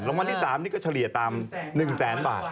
รางวัลที่๓นี่ก็เฉลี่ยตาม๑แสนบาท